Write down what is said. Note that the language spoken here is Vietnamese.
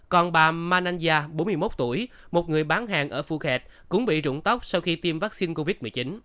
còn bà mananya bốn mươi một tuổi một người bán hàng ở phu khe cũng bị rụng tóc sau khi tiêm vaccine covid một mươi chín